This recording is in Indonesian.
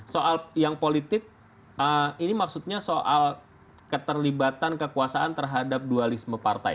soal yang politik ini maksudnya soal keterlibatan kekuasaan terhadap dualisme partai